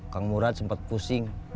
kang murad sempet pusing